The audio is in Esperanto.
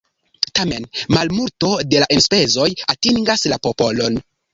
Tamen malmulto de la enspezoj atingas la popolon.